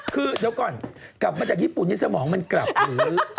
คือเดี๋ยวก่อนกลับมาจากญี่ปุ่นนี้สมองมันกลับหรือ